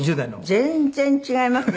全然違いますね